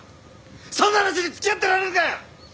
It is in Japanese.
そんな話に付き合ってられるか！